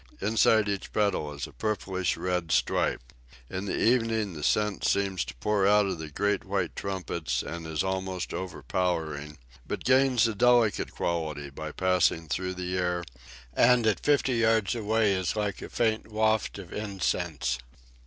Inside each petal is a purplish red stripe. In the evening the scent seems to pour out of the great white trumpets, and is almost overpowering, but gains a delicate quality by passing through the air, and at fifty yards away is like a faint waft of incense.